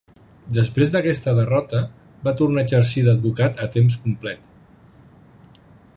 Després d'aquesta derrota, va tornar a exercir d'advocat a temps complet.